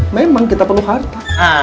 memang kita perlu harta